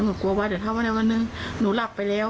ค่ะหนูกลัวว่าเดี๋ยวเท่าไหร่วันหนึ่งหนูหลับไปแล้ว